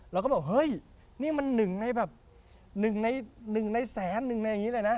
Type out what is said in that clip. เราก็บอกเฮ้ยนี่มัน๑ในแสน๑ในอย่างนี้เลยนะ